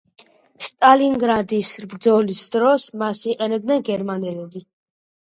სტალინგრადის ბრძოლის დროს მას იყენებდნენ გერმანელები.